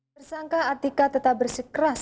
tersangka atika tetap bersikeras